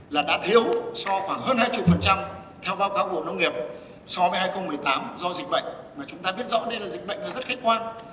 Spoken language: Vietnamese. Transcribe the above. là đã thiếu so khoảng hơn hai mươi theo báo cáo của bộ nông nghiệp so với hai nghìn một mươi tám do dịch bệnh mà chúng ta biết rõ đây là dịch bệnh rất khách quan